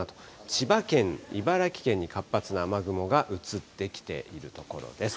千葉県、茨城県に活発な雨雲が移ってきているところです。